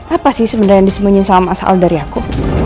apa sih sebenernya yang disembunyi sama mas al dari aku